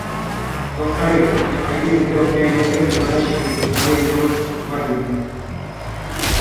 Во-вторых, необходимо сделать приоритетной задачей предоставление доступа к воде.